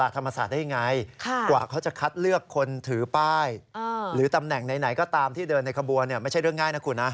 คำแห่งไหนก็ตามที่เดินในขบัวไม่ใช่เรื่องง่ายนะครูนะ